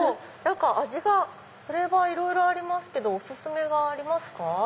味がフレーバーいろいろありますけどお薦めがありますか？